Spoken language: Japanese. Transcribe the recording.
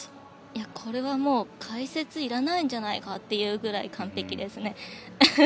これは解説いらないんじゃないかというぐらい完璧でしたね。